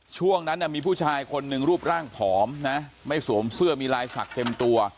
ช่วงนั้นมีผู้ชายคนหนึ่งรูปร่างผอมนะไม่สวมเสื้อมีลายศักดิ์เต็มตัว